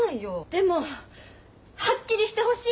でもはっきりしてほしい。